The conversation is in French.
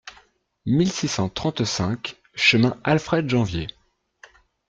mille six cent trente-cinq chemin Alfred Janvier